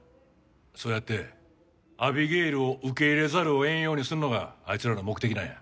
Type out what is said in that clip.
そうやってアビゲイルを受け入れざるを得んようにするのがあいつらの目的なんや。